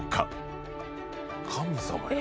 神様や。